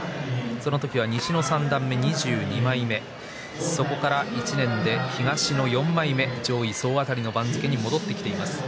その時は西の三段目２２枚目そこから１年で東の４枚目、上位総当たりの番付に戻ってきました。